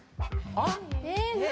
あっ！